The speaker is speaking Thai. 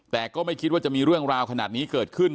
แต่ก็ไม่คิดว่าจะมีเรื่องราวขนาดนี้เกิดขึ้น